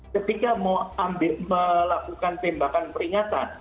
ketika mau melakukan tembakan peringatan